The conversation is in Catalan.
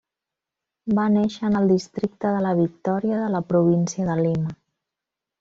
Va néixer en el districte de la Victòria de la Província de Lima.